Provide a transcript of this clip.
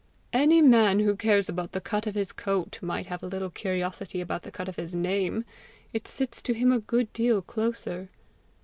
"Any man who cares about the cut of his coat, might have a little curiosity about the cut of his name: it sits to him a good deal closer!"